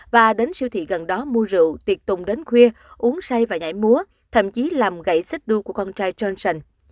và đến siêu thị gần đó mua rượu tiệc tùng đến khuya uống say và nhảy múa thậm chí làm gãy xích đu của con trai tron